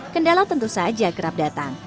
kendala tentu saja kerap datang